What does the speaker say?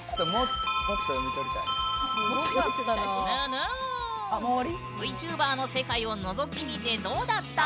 ＶＴｕｂｅｒの世界をのぞき見てどうだった？